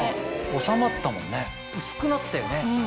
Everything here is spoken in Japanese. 収まったもんね薄くなったよね。